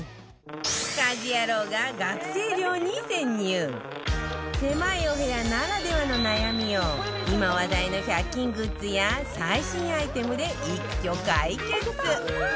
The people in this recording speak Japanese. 更に狭いお部屋ならではの悩みを今話題の１００均グッズや最新アイテムで一挙解決！